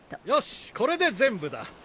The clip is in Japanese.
よしこれで全部だ。